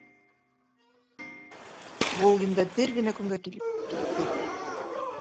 Волгин да бер генә көнгә килеп китте.